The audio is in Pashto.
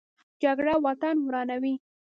جګړه وطن ورانوي